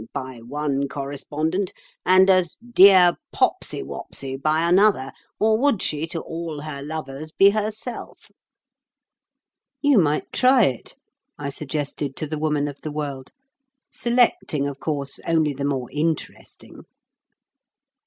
by one correspondent, and as 'Dear Popsy Wopsy!' by another, or would she to all her lovers be herself?" "You might try it," I suggested to the Woman of the World, "selecting, of course, only the more interesting."